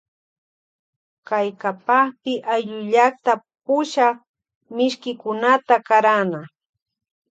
Kay kapakpi ayllullakta pushak mishkikunata karana.